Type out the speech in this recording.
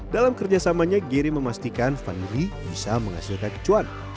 dalam kerjasamanya geri memastikan vanili bisa menghasilkan kecuan